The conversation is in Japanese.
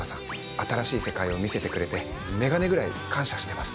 新しい世界を見せてくれて眼鏡ぐらい感謝してます。